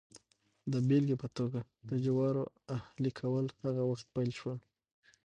د بېلګې په توګه د جوارو اهلي کول هغه وخت پیل شول